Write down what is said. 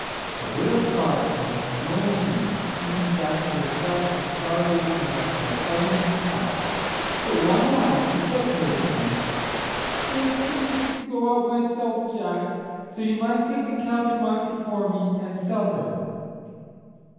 The widow saw that there was no means of keeping Jack and herself from starvation but by selling her cow; so one morning she said to her son, "I am too weak to go myself, Jack, so you must take the cow to market for me, and sell her."